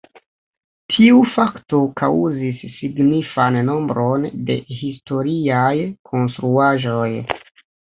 Tiu fakto kaŭzis signifan nombron de historiaj konstruaĵoj.